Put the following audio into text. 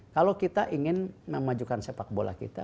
kalau kita ingin memajukan sepak bola kita